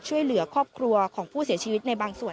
ช่วยเหลือครอบครัวของผู้เสียชีวิตในบางส่วน